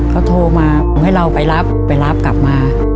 เขาโทรมาให้เราไปรับไปรับกลับมา